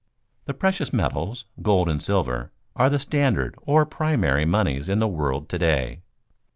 _The precious metals, gold and silver, are the standard, or primary, moneys in the world to day.